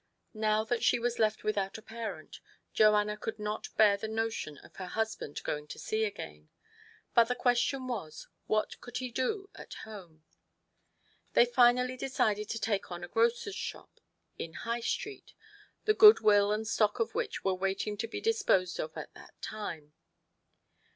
Now thai she was left without a parent, Joanna could not bear the notion of her husband going to sea again, but the question was, What could he do at home ? They finally decided to take on a grocer's shop in High Street, the goodwill and stock of which were waiting to be disposed of at that time.